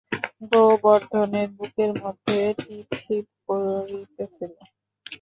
গোবর্ধনের বুকের মধ্যে টিপচিপ করিতেছিল।